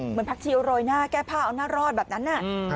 ผักเชียวโรยหน้าแก้ผ้าเอาหน้ารอดแบบนั้น